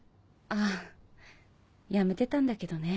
あぁやめてたんだけどね。